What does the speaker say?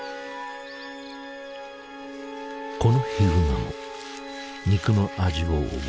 このヒグマも肉の味を覚え